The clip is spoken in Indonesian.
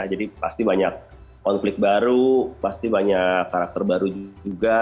pasti banyak konflik baru pasti banyak karakter baru juga